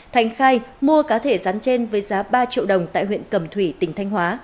thành khai mua cá thể rắn trên với giá ba triệu đồng tại huyện cẩm thủy tỉnh thanh hóa